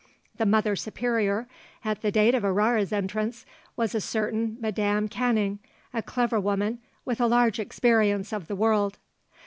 The Mother Superior at the date of Aurore's entrance was a certain Madame Canning, a clever woman with a large experience of the world.